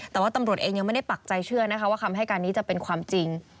แต่ว่าตำรวจเองยังไม่ได้ปักใจเชื่อนะคะว่าคำให้การนี้จะเป็นความจริง